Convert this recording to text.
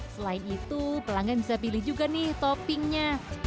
selain itu pelanggan bisa pilih juga nih toppingnya